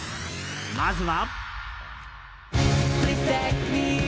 まずは。